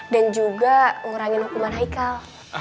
dan juga ngurangin hukuman haikal